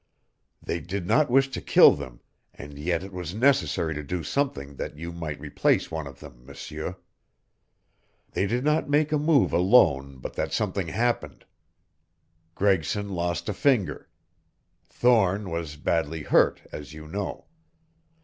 They did not wish to kill them, and yet it was necessary to do something that you might replace one of them, M'seur. They did not make a move alone but that something happened. Gregson lost a finger. Thorne was badly hurt as you know.